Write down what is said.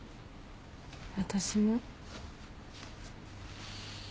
私も。